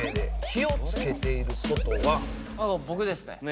僕ですね。